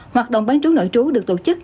hoạt động bán trú nội trú được tổ chức